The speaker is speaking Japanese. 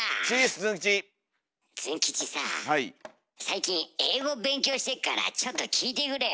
ズン吉さあ最近英語勉強してっからちょっと聞いてくれよ。